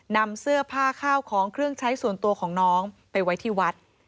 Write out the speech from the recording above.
นำเสื้อผ้าข้าวของเครื่องใช้ส่วนตัวของน้องไปไว้ที่วัด